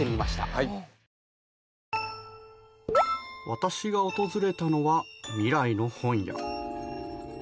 私が訪れたのは未来の本屋。